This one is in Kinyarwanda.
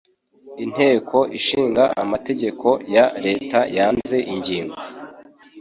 Inteko ishinga amategeko ya leta yanze ingingo